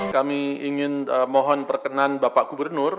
kami ingin mohon perkenan bapak gubernur